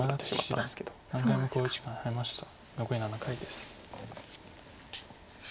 残り７回です。